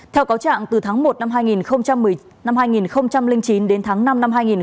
theo cáo trạng từ tháng một năm hai nghìn chín đến tháng năm năm hai nghìn một mươi năm